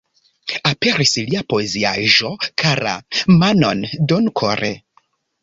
Aperis lia poeziaĵo "Kara, manon donu kore!